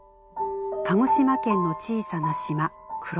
鹿児島県の小さな島黒島。